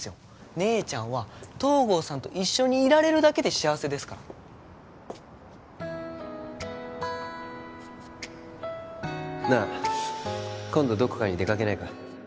姉ちゃんは東郷さんと一緒にいられるだけで幸せですからなあ今度どこかに出かけないか？